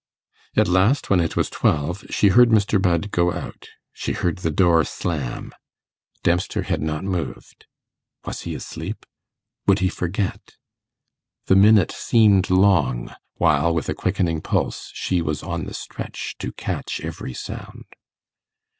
At last, when it was twelve, she heard Mr. Budd go out; she heard the door slam. Dempster had not moved. Was he asleep? Would he forget? The minute seemed long, while, with a quickening pulse, she was on the stretch to catch every sound.